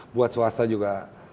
buat swasta juga